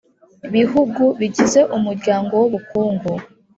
bihugu bigize Umuryango w Ubukungu